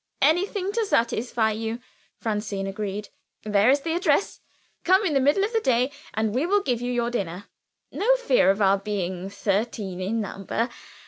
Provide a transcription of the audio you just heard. "Anything to satisfy you," Francine agreed; "there is the address. Come in the middle of the day, and we will give you your dinner. No fear of our being thirteen in number.